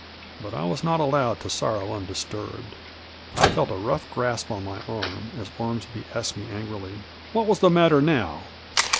But I was not allowed to sorrow undisturbed ; I felt a rough grasp on my arm, as Ormsby asked me angrily, " What was the matter now